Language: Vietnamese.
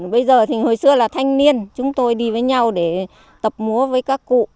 bây giờ thì hồi xưa là thanh niên chúng tôi đi với nhau để tập múa với các cụ